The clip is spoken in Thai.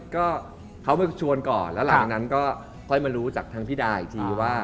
ก็เขามาชวนก่อนแล้วหลังจากนั้นก็ค่อยมารู้จากทางพี่ดาอีกทีว่า